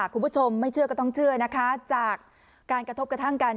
คุณผู้ชมไม่เชื่อก็ต้องเชื่อนะคะจากการกระทบกระทั่งกัน